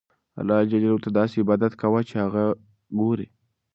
الله ته داسې عبادت کوه چې هغه ګورې.